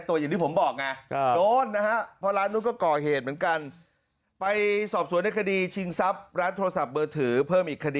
ทรัพย์โทรศัพท์เบอร์ถือเพิ่มอีกคดีหนึ่งจากนั้นก็จะรวบรวม